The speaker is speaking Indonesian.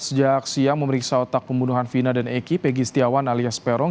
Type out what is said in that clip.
sejak siang memeriksa otak pembunuhan vina dan eki pegi setiawan alias peron